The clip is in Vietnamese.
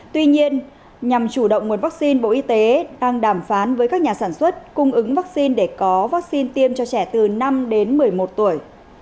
tuy nhiên nhằm chủ động nguồn vaccine bộ y tế đang đàm phán với các nhà sản xuất cung ứng vaccine để có vaccine tiêm cho trẻ từ năm đến một mươi một tuổi